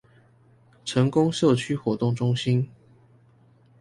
成功社區活動中心